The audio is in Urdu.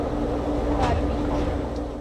اطالوی